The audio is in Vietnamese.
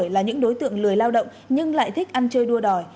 là những đối tượng lười lao động nhưng lại thích ăn chơi đua đòi